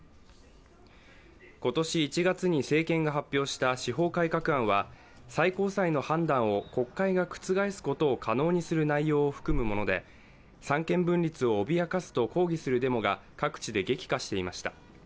今年１月に政権が発表した司法改革案は、最高裁の判断を国会が覆すことを可能にする内容を含むもので三権分立を脅かすと抗議するデモが各地で激化していました。